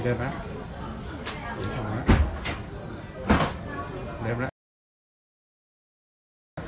หรือว่าเหมือนเดินเดินแบบ